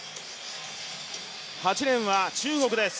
８レーンは中国です。